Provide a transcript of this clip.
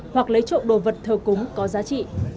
hoặc lấy trộm đồ vật thờ cúng có giá trị